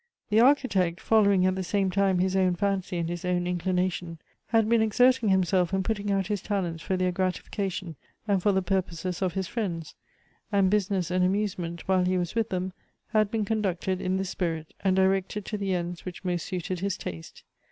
The Architect, following at the same time his own fancy and his own inclination, had been exerting himself and putting out his talents for their gratification and for the purposes of his friends; and business and amusement, while he was with them, had been conducted in this spirit, and directed to the ends which most suited his taste.